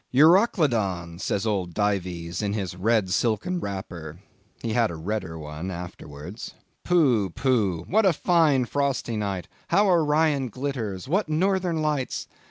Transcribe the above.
Euroclydon! says old Dives, in his red silken wrapper—(he had a redder one afterwards) pooh, pooh! What a fine frosty night; how Orion glitters; what northern lights!